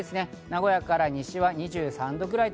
名古屋から西は２３度くらい。